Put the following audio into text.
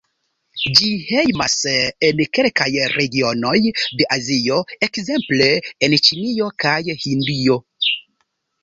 Ĝi hejmas en kelkaj regionoj de Azio, ekzemple en Ĉinio kaj Hindio.